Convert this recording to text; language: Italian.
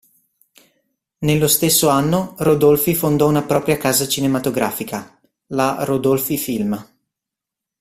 Nello stesso anno Rodolfi fondò una propria casa cinematografica, la "Rodolfi Film".